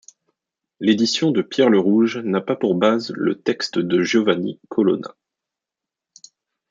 L'édition de Pierre Le Rouge n'a pas pour base le texte de Giovanni Colonna.